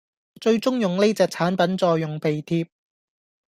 最終用呢隻產品再用鼻貼